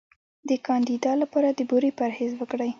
د کاندیدا لپاره د بورې پرهیز وکړئ